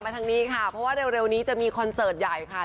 เพราะว่าเร็วนี้จะมีคอนเสิร์ตใหญ่ค่ะ